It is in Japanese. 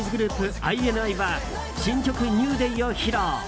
ＩＮＩは新曲「ＮｅｗＤａｙ」を披露。